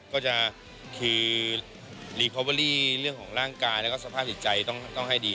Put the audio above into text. ก็จะคือรีพอเวอรี่เรื่องของร่างกายแล้วก็สภาพจิตใจต้องให้ดี